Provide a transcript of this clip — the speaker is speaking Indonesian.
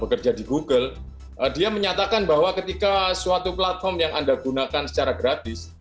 bekerja di google dia menyatakan bahwa ketika suatu platform yang anda gunakan secara gratis